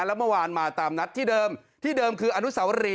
แล้วเมื่อวานมาตามนัดที่เดิมที่เดิมคืออนุสาวรี